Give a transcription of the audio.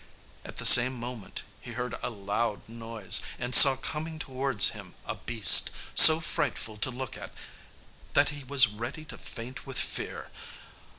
At the same moment he heard a loud noise, and saw coming towards him a beast, so frightful to look at that he was ready to faint with fear.